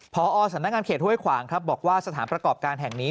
พอสำนักงานเขตห้วยขวางครับบอกว่าสถานประกอบการแห่งนี้